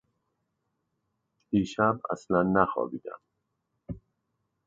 دیشب اصلا نخوابیدم.